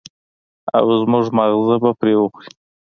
او زموږ ماغزه به پرې وخوري.